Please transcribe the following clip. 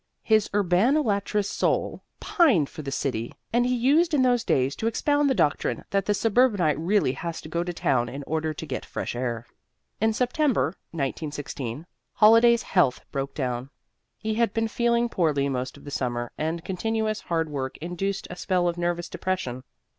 His urbanolatrous soul pined for the city, and he used in those days to expound the doctrine that the suburbanite really has to go to town in order to get fresh air. In September, 1916, Holliday's health broke down. He had been feeling poorly most of the summer, and continuous hard work induced a spell of nervous depression.